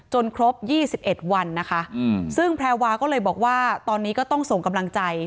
ครบ๒๑วันนะคะซึ่งแพรวาก็เลยบอกว่าตอนนี้ก็ต้องส่งกำลังใจ